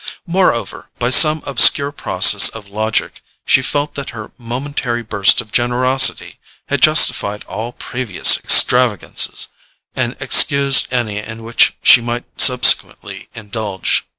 Moreover, by some obscure process of logic, she felt that her momentary burst of generosity had justified all previous extravagances, and excused any in which she might subsequently indulge.